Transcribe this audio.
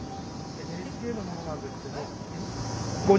ＮＨＫの者なんですけど。